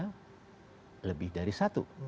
pasangan calonnya lebih dari satu